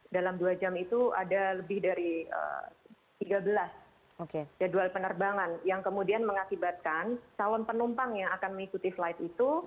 dalam dua jam itu ada lebih dari tiga belas jadwal penerbangan yang kemudian mengakibatkan calon penumpang yang akan mengikuti flight itu